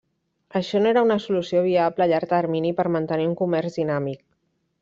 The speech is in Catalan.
Això no era una solució viable a llarg termini per mantenir un comerç dinàmic.